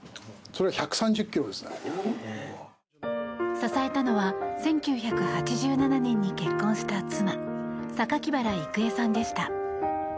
支えたのは１９８７年に結婚した妻・榊原郁恵さんでした。